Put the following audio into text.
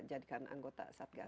jadikan anggota satgas